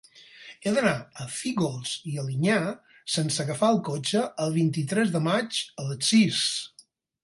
He d'anar a Fígols i Alinyà sense agafar el cotxe el vint-i-tres de maig a les sis.